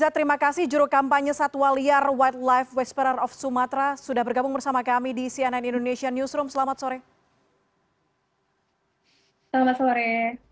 terima kasih juru kampanye satwa liar white life wasparer of sumatera sudah bergabung bersama kami di cnn indonesia newsroom selamat sore